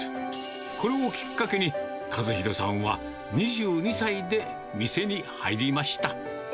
これをきっかけに、和宏さんは２２歳で店に入りました。